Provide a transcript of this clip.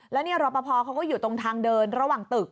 แล้วนี่รอปภเขาก็อยู่ตรงทางเดินระหว่างตึก